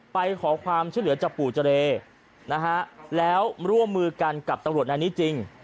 ไปขอความช่วยเหลือจากปู่เจรนะฮะแล้วร่วมมือกันกับตำรวจนายนี้จริง